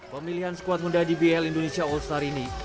pemilihan skuad muda dbl indonesia all star ini